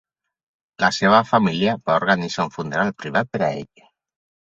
La seva família va organitzar un funeral privat per a ell.